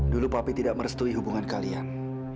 dulu papi tidak merestui hubungan kalian